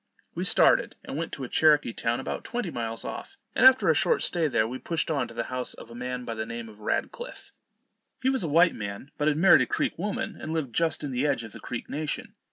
We started, and went to a Cherokee town about twenty miles off; and after a short stay there, we pushed on to the house of a man by the name of Radcliff. He was a white man, but had married a Creek woman, and lived just in the edge of the Creek nation.